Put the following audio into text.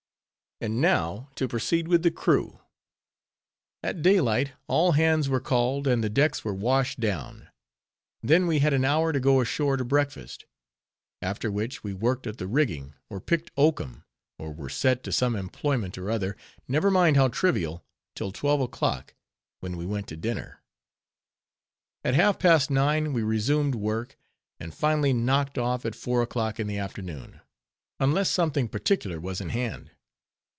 And now, to proceed with the crew. At daylight, all hands were called, and the decks were washed down; then we had an hour to go ashore to breakfast; after which we worked at the rigging, or picked oakum, or were set to some employment or other, never mind how trivial, till twelve o'clock, when we went to dinner. At half past nine we resumed work; and finally knocked off at four o'clock in the afternoon, unless something particular was in hand.